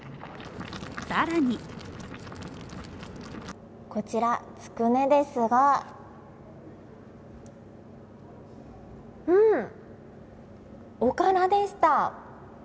更にこちら、つくねですが、おからでした！